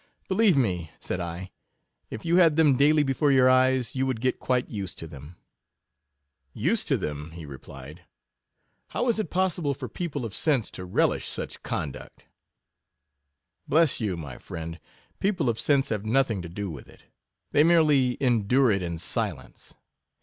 Believe me, said I, if you had them daily before your eyes, you would get quite used to them. Used to them, replied 21 he; how is it possible for people of sense to relish such conduct? Bless you, my friend, people of sense have nothing to do with it ; they merely endure it in silence.